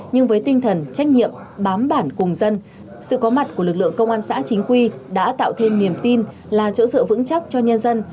nhưng với tinh thần trách nhiệm bám bản cùng dân sự có mặt của lực lượng công an xã chính quy đã tạo thêm niềm tin là chỗ dựa vững chắc cho nhân dân